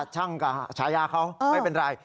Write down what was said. ช่างกับฉายาเขาไม่เป็นไร